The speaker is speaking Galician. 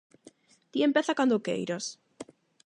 Ti empeza cando queiras.